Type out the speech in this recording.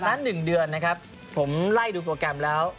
นั้น๑เดือนนะครับผมไล่ดูโปรแกรมแล้ว